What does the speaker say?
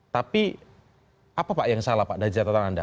tapi apa yang salah pak dijahterkan anda